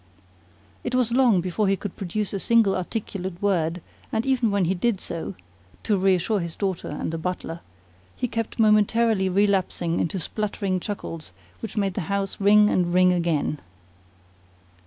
It was long before he could produce a single articulate word; and even when he did so (to reassure his daughter and the butler) he kept momentarily relapsing into spluttering chuckles which made the house ring and ring again.